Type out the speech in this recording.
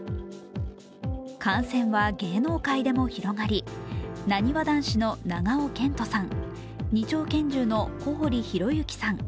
感染は芸能界でも広がり、なにわ男子の長尾謙杜さん、２丁拳銃の小堀裕之さん